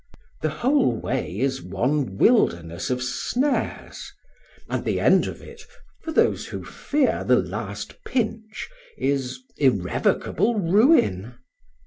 The whole way is one wilderness of snares, and the end of it, for those who fear the last pinch, is irrevocable ruin.